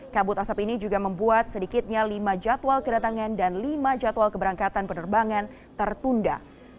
kabut asap ini juga membuat sedikitnya lima jadwal kedatangan dan lima jadwal keberangkatan penerbangan tertunda